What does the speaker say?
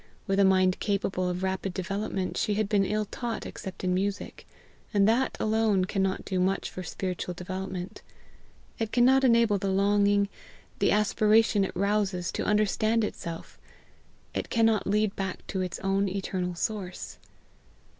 With a mind capable of rapid development, she had been ill taught except in music; and that, alone, cannot do much for spiritual development; it cannot enable the longing, the aspiration it rouses, to understand itself; it cannot lead back to its own eternal source.